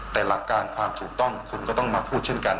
แต่หลักการความถูกต้องคุณก็ต้องมาพูดเช่นกัน